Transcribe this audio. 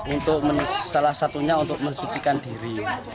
untuk salah satunya untuk mensucikan diri